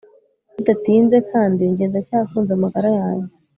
bidatinze kandi njye ndacyakunze amagara yanjye